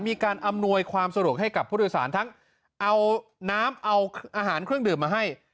มีการอำนวยความสะดวกให้กับผู้โดยสารทั้งเอาน้ำเอาอาหารเครื่องดื่มมาให้